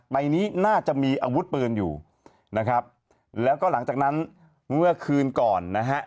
ใบนี้น่าจะมีอาวุธปืนอยู่นะครับแล้วก็หลังจากนั้นเมื่อคืนก่อนนะฮะ